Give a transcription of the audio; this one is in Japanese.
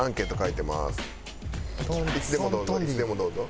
いつでもどうぞ。